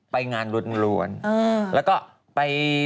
ไปงานรวชน่ะล้วนแล้วก็ไป